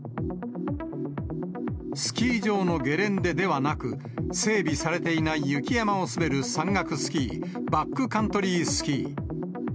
スキー場のゲレンデではなく、整備されていない雪山を滑る山岳スキー、バックカントリースキー。